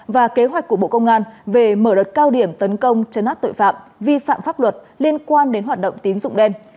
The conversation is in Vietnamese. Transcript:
và kế hoạch của bộ công an về mở đợt cao điểm tấn công chấn áp tội phạm vi phạm pháp luật liên quan đến hoạt động tín dụng đen